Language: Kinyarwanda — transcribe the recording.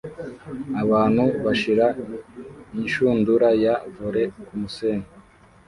Abantu bashira inshundura ya volley kumusenyi